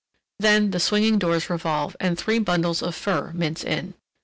Then the swinging doors revolve and three bundles of fur mince in.